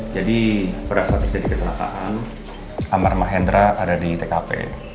jadi berasal dari kesalahan amar mahendra ada di tkp